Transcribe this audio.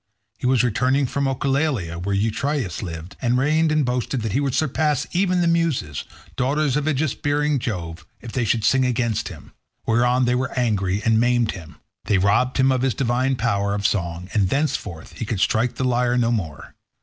He was returning from Oechalia, where Eurytus lived and reigned, and boasted that he would surpass even the Muses, daughters of aegis bearing Jove, if they should sing against him; whereon they were angry, and maimed him. They robbed him of his divine power of song, and thenceforth he could strike the lyre no more.